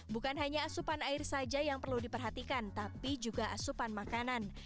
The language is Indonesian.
bukan hanya asupan air saja yang perlu diperhatikan tapi juga asupan makanan